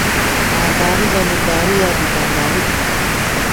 مالداری زمینداری یا دُکانداری تھِتہ